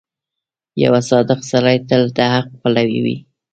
• یو صادق سړی تل د حق پلوی وي.